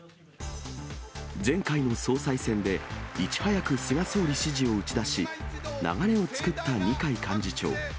前回の総裁選で、いち早く菅総理支持を打ち出し、流れを作った二階幹事長。